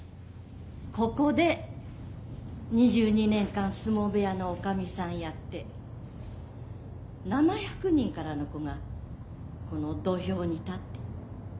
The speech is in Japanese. ここで２２年間相撲部屋のおかみさんやって７００人からの子がこの土俵に立ったの。